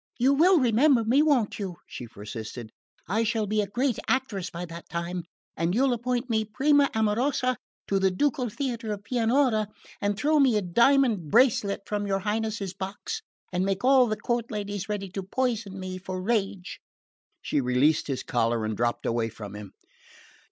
"You will remember me, won't you?" she persisted. "I shall be a great actress by that time, and you'll appoint me prima amorosa to the ducal theatre of Pianura, and throw me a diamond bracelet from your Highness's box and make all the court ladies ready to poison me for rage!" She released his collar and dropped away from him.